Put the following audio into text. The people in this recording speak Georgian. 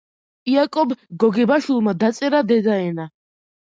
იაკობ გოგებაშვილმა დაწერა დედაენა.